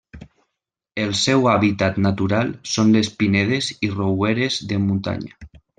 El seu hàbitat natural són les pinedes i rouredes de muntanya.